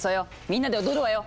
みんなで踊るわよ。